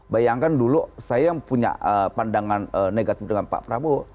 bayangkan dulu saya yang punya pandangan negatif dengan pak prabowo